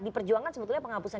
diperjuangkan sebetulnya penghapusan